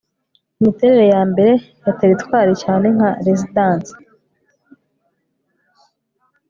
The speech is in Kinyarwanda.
imiterere ya mbere ya teritwari cyane nka rezidansi